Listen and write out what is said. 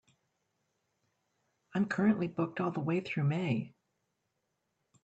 I'm currently booked all the way through May.